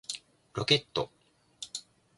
ロケット